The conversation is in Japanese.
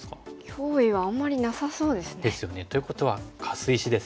脅威はあんまりなさそうですね。ですよね。ということはカス石ですよね。